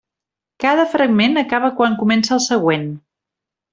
Cada fragment acaba quan comença el següent.